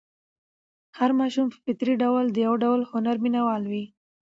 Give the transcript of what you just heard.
هر ماشوم په فطري ډول د یو ډول هنر مینه وال وي.